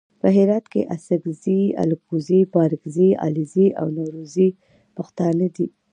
په هرات کې اڅګزي الکوزي بارګزي علیزي او نورزي پښتانه دي.